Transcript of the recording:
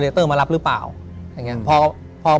ถูกต้องไหมครับถูกต้องไหมครับ